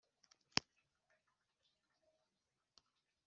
igikorwa gisa nkicyaha nkuko yabikoze muri ako kanya gato